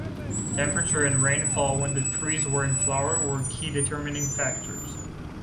Temperature and rainfall when the trees were in flower were key determining factors.